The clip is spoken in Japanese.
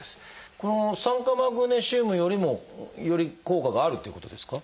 この酸化マグネシウムよりもより効果があるっていうことですか？